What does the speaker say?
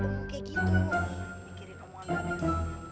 pikirin omongan mbak nenek